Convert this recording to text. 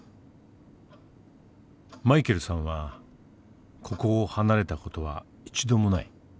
マイケルさんはここを離れた事は一度もない。